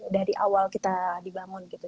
dari awal kita dibangun gitu